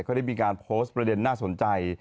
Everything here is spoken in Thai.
เขาได้มีการโพสต์ประเด็นน่าสนใจ